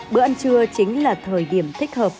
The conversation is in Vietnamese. bữa ăn trưa chính là thời điểm thích hợp